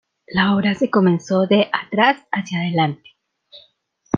La obra se comenzó de atrás hacia adelante.